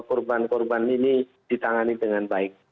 korban korban ini ditangani dengan baik